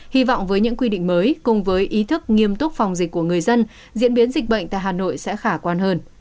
hy vọng với những quy định mới cùng với ý thức nghiêm túc phòng dịch của người dân diễn biến dịch bệnh tại hà nội sẽ khả quan hơn